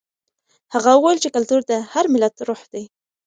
هغه وویل چې کلتور د هر ملت روح وي.